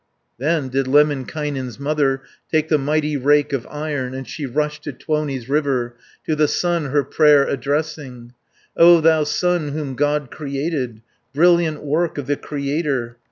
210 Then did Lemminkainen's mother Take the mighty rake of iron, And she rushed to Tuoni's river, To the sun her prayer addressing: "O thou sun whom God created, Brilliant work of the Creator!